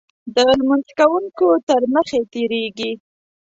د لمونځ کوونکو تر مخې تېرېږي.